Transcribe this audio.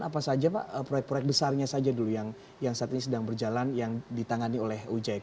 apa saja pak proyek proyek besarnya saja dulu yang saat ini sedang berjalan yang ditangani oleh ujk